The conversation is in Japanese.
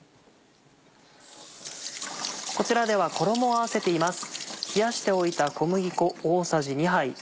こちらでは衣を合わせています。